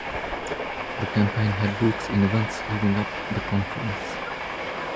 The Campaign had roots in events leading up the conference.